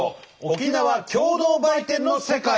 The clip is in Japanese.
沖縄共同売店の世界。